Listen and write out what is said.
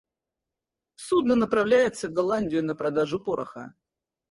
Судно направляется в Голландию на продажу пороха.